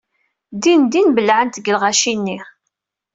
Dindin belɛent deg lɣaci-nni.